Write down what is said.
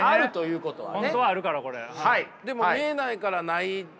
実際ね本当はあるからこれ。